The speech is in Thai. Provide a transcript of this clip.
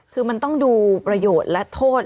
คือมันต้องดูประโยชน์และโทษ